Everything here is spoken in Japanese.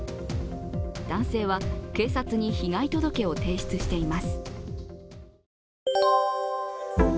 男性は警察に被害届を提出しています。